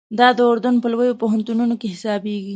دا د اردن په لویو پوهنتونو کې حسابېږي.